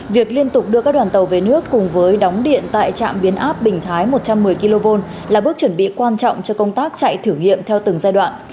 việc liên tục đưa các đoàn tàu về nước cùng với đóng điện tại trạm biến áp bình thái một trăm một mươi kv là bước chuẩn bị quan trọng cho công tác chạy thử nghiệm theo từng giai đoạn